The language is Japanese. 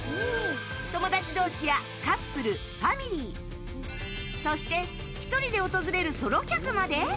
友達同士やカップルファミリーそして１人で訪れるソロ客まで？